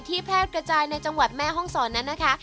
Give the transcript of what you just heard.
แพร่กระจายในจังหวัดแม่ห้องศรนั้นนะคะ